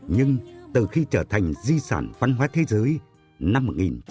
nhưng từ khi trở thành di sản văn hóa thế giới năm một nghìn chín trăm chín mươi chín